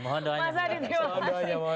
mas adi terima kasih